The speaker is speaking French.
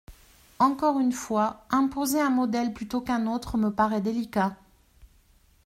Encore une fois, imposer un modèle plutôt qu’un autre me paraît délicat.